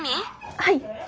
はい。